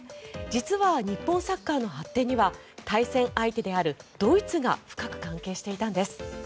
実は日本サッカーの発展には対戦相手であるドイツが深く関係していたんです。